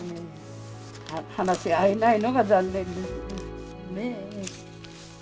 話し合えないのが残念ですね。